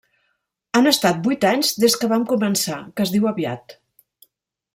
Han estat vuit anys des que vam començar, que es diu aviat.